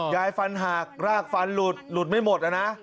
ยายฟันหักรากฟันหลุดหลุดไม่หมดนะ